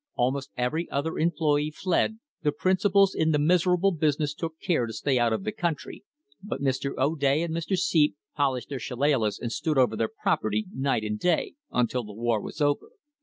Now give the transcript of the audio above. Almost every other employee fled, the principals in the miserable business took care to stay out of the country, but Mr. O'Day and Mr. Seep polished their shillalahs and stood over their property night and day until the war was over.